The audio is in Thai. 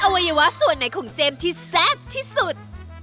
วัยวะส่วนไหนของเจมส์ที่แซ่บที่สุด